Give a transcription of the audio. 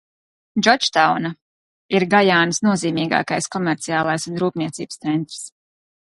Džordžtauna ir Gajānas nozīmīgākais komerciālais un rūpniecības centrs.